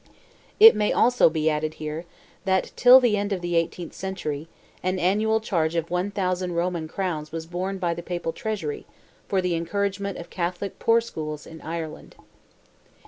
It may also be added here, that till the end of the eighteenth century, an annual charge of 1,000 Roman crowns was borne by the Papal treasury for the encouragement of Catholic Poor schools in Ireland.